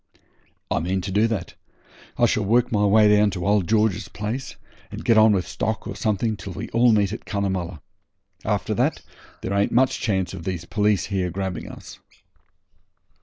'I mean to do that. I shall work my way down to old George's place, and get on with stock or something till we all meet at Cunnamulla. After that there ain't much chance of these police here grabbing us.'